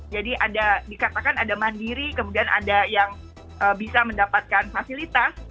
jadi dikatakan ada mandiri kemudian ada yang bisa mendapatkan fasilitas